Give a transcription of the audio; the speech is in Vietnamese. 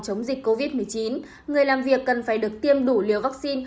chống dịch covid một mươi chín người làm việc cần phải được tiêm đủ liều vaccine